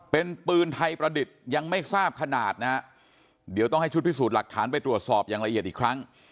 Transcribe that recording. เป็นปืนไทยประดิษฐ์ยังไม่ทราบขนาดนะฮะเดี๋ยวต้องให้ชุดพิสูจน์หลักฐานไปตรวจสอบอย่างละเอียดอีกครั้ง